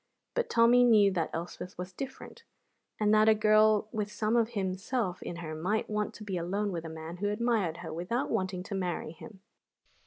But Tommy knew that Elspeth was different, and that a girl with some of himself in her might want to be alone with a man who admired her without wanting to marry him.